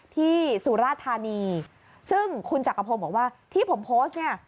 สุราธานีซึ่งคุณจักรพงศ์บอกว่าที่ผมโพสต์เนี่ย